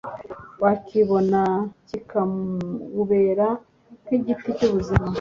wakibona kikawubera nk’igiti cy’ubuzima